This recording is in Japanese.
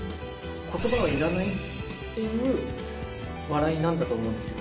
ことばはいらないっていう笑いなんだと思いますよ。